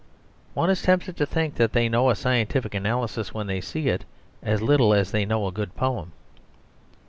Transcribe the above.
One is tempted to think that they know a scientific analysis when they see it as little as they know a good poem.